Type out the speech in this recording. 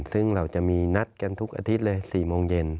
ซึ่งเราจะมีนัดกันทุกอาทิตย์เลย๔โมงเย็น